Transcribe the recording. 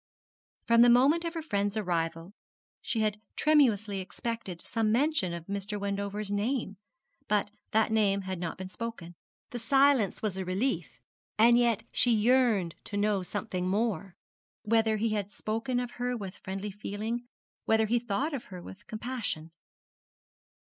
From the moment of her friend's arrival she had tremulously expected some mention of Mr. Wendover's name; but that name had not been spoken. The silence was a relief: and yet she yearned to know something more: whether he had spoken of her with friendly feeling, whether he thought of her with compassion.